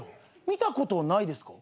見たことないですか？